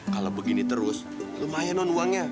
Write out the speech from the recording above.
kalau begini terus lumayan non uangnya